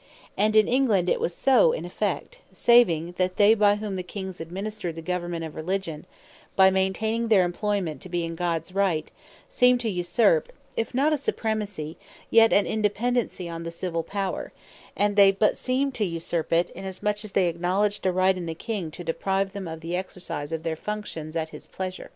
And in England it was so in effect; saving that they, by whom the Kings administred the Government of Religion, by maintaining their imployment to be in Gods Right, seemed to usurp, if not a Supremacy, yet an Independency on the Civill Power: and they but seemed to usurp it, in as much as they acknowledged a Right in the King, to deprive them of the Exercise of their Functions at his pleasure.